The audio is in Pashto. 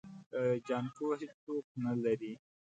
جانکو هيڅوک نه لري.